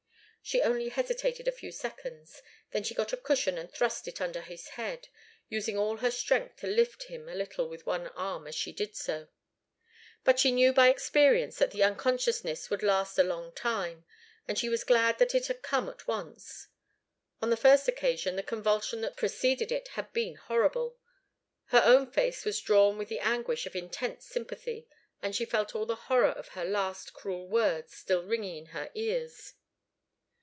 She only hesitated a few seconds. Then she got a cushion and thrust it under his head, using all her strength to lift him a little with one arm as she did so. But she knew by experience that the unconsciousness would last a long time, and she was glad that it had come at once. On the first occasion the convulsion that preceded it had been horrible. Her own face was drawn with the anguish of intense sympathy, and she felt all the horror of her last cruel words still ringing in her ears.